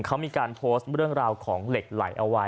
เขามีการโพสต์เรื่องราวของเหล็กไหลเอาไว้